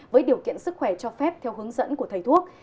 với điều kiện sức khỏe cho phép theo hướng dẫn của thầy thuốc